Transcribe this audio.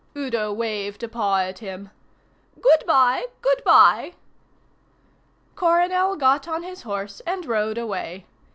Udo waved a paw at him. "Good bye, good bye." Coronel got on his horse and rode away.